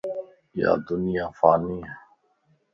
يادنيا فاني ائي